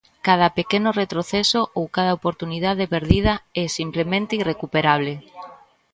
Cada pequeno retroceso ou cada oportunidade perdida é simplemente irrecuperable.